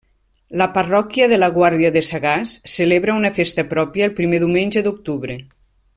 La parròquia de la Guàrdia de Sagàs celebra una festa pròpia el primer diumenge d'octubre.